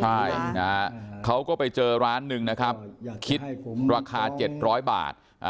ใช่นะฮะเขาก็ไปเจอร้านหนึ่งนะครับคิดราคาเจ็ดร้อยบาทอ่า